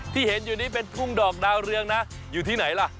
ที่เห็นอยู่นี้เป็นทุ่งดอกดาวเรืองนะอยู่ที่ไหนล่ะ